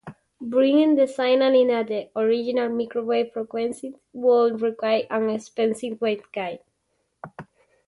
Bringing the signal in at the original microwave frequency would require an expensive waveguide.